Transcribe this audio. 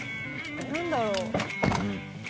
何だろう？